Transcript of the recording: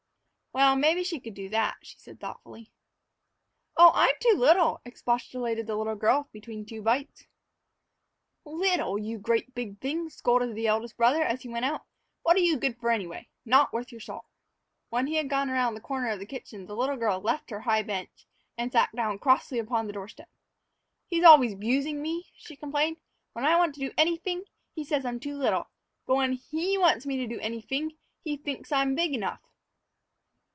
"Well, maybe she could do that," she said thoughtfully. "Oh, I'm too little," expostulated the little girl, between two bites. "Little! You great big thing!" scolded the eldest brother as he went out. "What are you good for, anyway? Not worth your salt." When he was gone around the corner of the kitchen, the little girl left her high bench and sat down crossly upon the door step. "He's always 'busing me," she complained. "When I want to do anyfing, he says I'm too little; but when he wants me to do anyfing he finks I'm big enough."